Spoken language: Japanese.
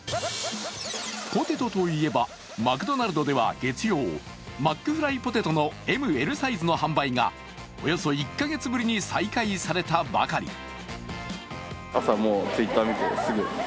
ポテトといえば、マクドナルドでは月曜マックフライポテトのＭ、Ｌサイズの販売がおよそ１カ月ぶりに再開されたばかり。